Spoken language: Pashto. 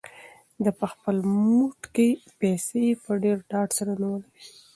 ده په خپل موټ کې پیسې په ډېر ډاډ سره نیولې وې.